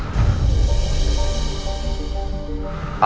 bapak dan ibu sebentar